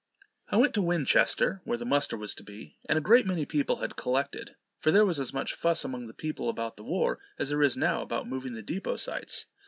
I went to Winchester, where the muster was to be, and a great many people had collected, for there was as much fuss among the people about the war as there is now about moving the deposites.